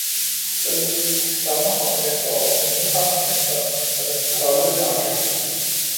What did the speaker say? således gik sommer og efterår, men nu kom vinteren, den kolde, lange vinter.